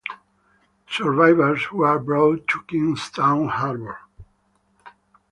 Survivors were brought to Kingstown harbour.